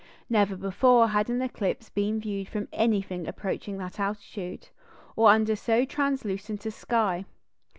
Never before had an eclipse been viewed from anything approaching that altitude, or under so translucent a sky.